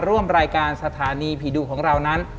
ร่วมรายการสถานีผีดุของเรานั้น